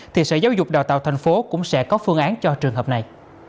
thì sở giáo dục đào tạo tp hcm cũng sẽ có phương án cho trường hợp này